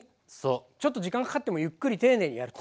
ちょっと時間かかってもゆっくり丁寧にやると。